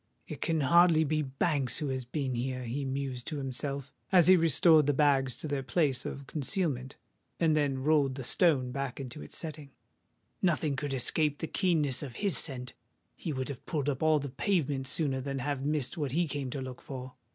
"It can hardly be Banks who has been here," he mused to himself, as he restored the bags to their place of concealment, and then rolled the stone back into its setting: "nothing could escape the keenness of his scent! He would have pulled up all the pavement sooner than have missed what he came to look for.